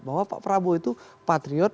bahwa pak prabowo itu patriot